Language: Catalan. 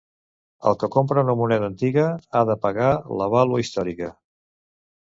El que compra una moneda antiga, ha de pagar la vàlua històrica